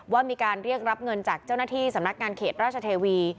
ว่ามีการเรียกรับเงินจากเจ้าหน้าที่สำนักงานเขตราชเทวี